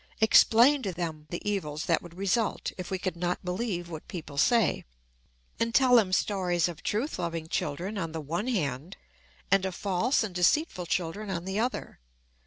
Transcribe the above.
Explain to them the evils that would result if we could not believe what people say, and tell them stories of truth loving children on the one hand, and of false and deceitful children on the other.